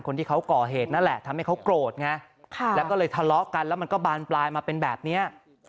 คนที่เขาก่อเหตุนั่นแหละทำให้เขาโกรธไงแล้วก็เลยทะเลาะกันแล้วมันก็บานปลายมาเป็นแบบนี้